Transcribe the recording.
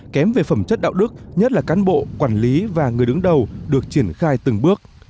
kém về phẩm chất đạo đức nhất là cán bộ quản lý và người đứng đầu được triển khai từng bước